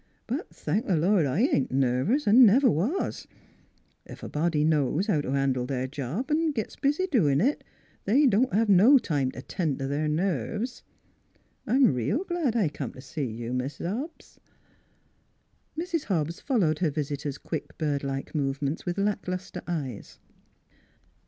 But thank th' Lord I ain't nervous an' never was ! Ef a body knows how t' handle their job an' gits busy doin' it they won't hev no time t' tend their nerves. I'm reel glad I come t' see you, Mis' Hobbs." Mrs. Hobbs followed her visitor's quick, bird like movements with lackluster eyes.